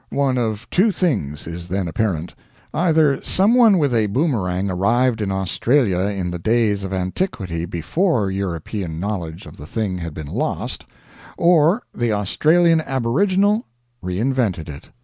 One of two things is then apparent, either some one with a boomerang arrived in Australia in the days of antiquity before European knowledge of the thing had been lost, or the Australian aboriginal reinvented it.